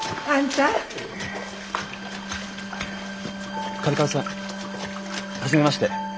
嘉手刈さん初めまして。